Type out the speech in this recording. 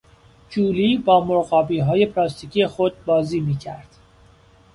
جولی با مرغابیهای پلاستیکی خود بازی میکرد.